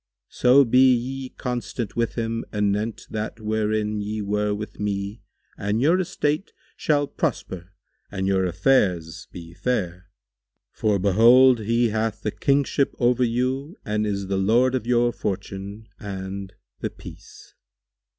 So be ye constant with him anent that wherein ye were with me and your estate shall prosper and your affairs be fair; for behold, he hath the Kingship over you and is the lord of your fortune, and—The Peace."